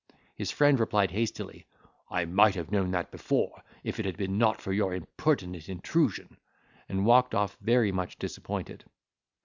His friend replied hastily, "I might have known that before now, if it had not been for your impertinent intrusion,"—and walked off very much disappointed.